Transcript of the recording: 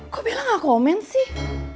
kok bilang gak komen sih